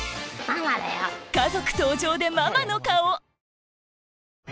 家族登場でママの顔！